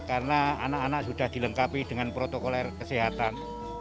karena anak anak sudah dilengkapi dengan protokol kesehatan